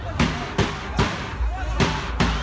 มันอาจจะไม่เอาเห็น